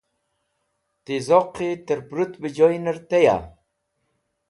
Ti Zoqi terpurut be joynerteya?